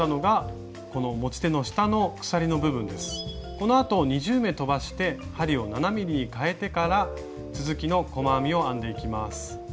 このあと２０目とばして針を７ｍｍにかえてから続きの細編みを編んでいきます。